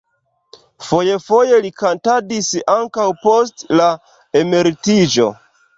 Foje-foje li kantadis ankaŭ post la emeritiĝo.